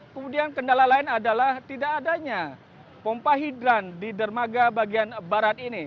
kemudian kendala lain adalah tidak adanya pompa hidran di dermaga bagian barat ini